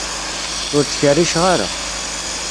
Ur ttkerriceɣ ara.